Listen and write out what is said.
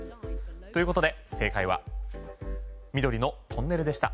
ということで正解は緑のトンネルでした。